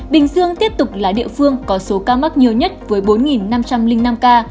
bình dương tiếp tục là địa phương có số ca mắc nhiều nhất với bốn năm trăm linh năm ca